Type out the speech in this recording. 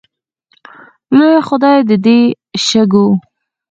لویه خدایه د دې شګو